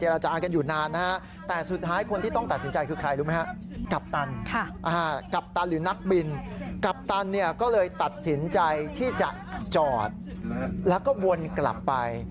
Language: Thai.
หรือนักบินกัปตันก็เลยตัดสินใจที่จะจอดแล้วก็วนกลับไป